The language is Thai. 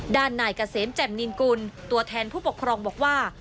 ด้านหน่ายกระเสมแจ่มนินกุลตัวแทนผู้ปกครองบอกว่า